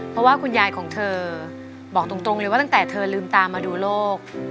เพราะว่าคุณยายของเธอบอกตรงเลยว่าตั้งแต่เธอลืมตามาดูโรค